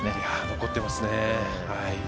残っていますね。